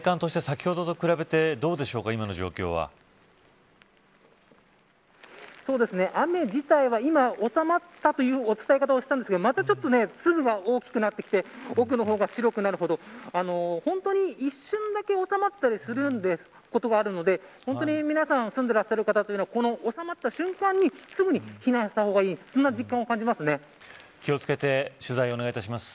体感として先ほどと比べてどうでしょうか雨自体は今、収まったという伝え方をしたんですがまたちょっと粒が大きくなってきて奥の方が白くなるほど本当に一瞬だけ収まったりすることがあるので皆さん住んでいらっしゃる方というのは収まった瞬間にすぐに避難した方がいいような実感があります。